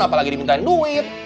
apalagi dimintain duit